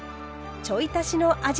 ちょい足しの味